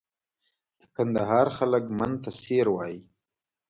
د کندهار خلک من ته سېر وایي.